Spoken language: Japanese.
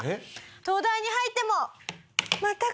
東大に入っても。